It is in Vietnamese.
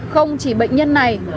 không chỉ bệnh nhân này